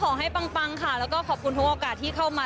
ปังค่ะแล้วก็ขอบคุณทุกโอกาสที่เข้ามา